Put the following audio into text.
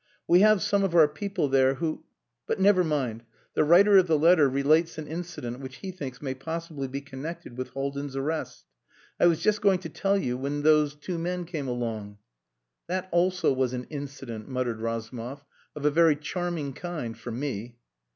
"We have some of our people there who...but never mind. The writer of the letter relates an incident which he thinks may possibly be connected with Haldin's arrest. I was just going to tell you when those two men came along." "That also was an incident," muttered Razumov, "of a very charming kind for me."